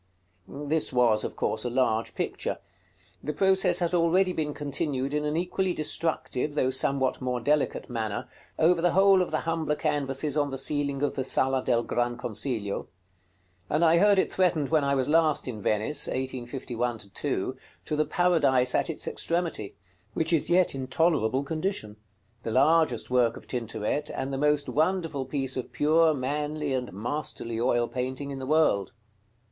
This was, of course, a large picture. The process has already been continued in an equally destructive, though somewhat more delicate manner, over the whole of the humbler canvases on the ceiling of the Sala del Gran Consiglio; and I heard it threatened when I was last in Venice (1851 2) to the "Paradise" at its extremity, which is yet in tolerable condition, the largest work of Tintoret, and the most wonderful piece of pure, manly, and masterly oil painting in the world.